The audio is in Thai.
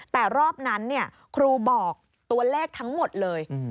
แต่รอบนั้นครูบอกตัวเลขทั้งหมดเลย